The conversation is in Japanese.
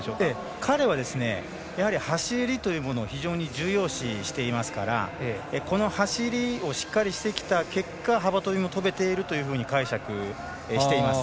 彼は走りというものを非常に重要視していますからこの走りをしっかりしてきた結果幅跳びも飛べていると解釈しています。